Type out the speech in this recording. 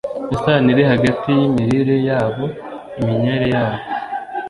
isano iri hagati yimirire yabo iminywere yabo